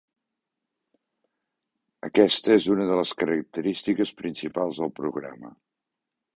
Aquesta és una de les característiques principals del programa.